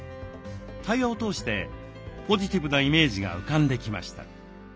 対話を通してポジティブなイメージが浮かんできました。